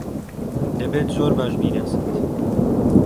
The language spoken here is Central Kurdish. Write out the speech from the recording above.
دەبێت زۆر باش بیناسیت.